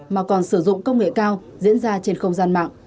mà còn sử dụng công nghệ cao diễn ra trên không gian mạng